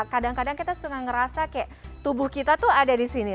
kadang kadang kita suka ngerasa kayak tubuh kita tuh ada di sini